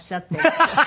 ハハハハ！